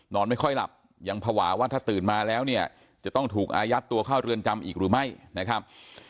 นอนไม่ค่อยหลับยังภาวะว่าถ้าตื่นมาแล้วเนี่ยจะต้องถูกอายัดตัวเข้าเรือนจำอีกหรือไม่นะครับ